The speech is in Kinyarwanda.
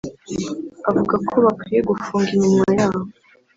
avuga ko bakwiye gufunga iminwa yabo